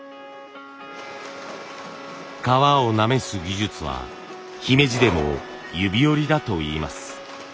革をなめす技術は姫路でも指折りだといいます。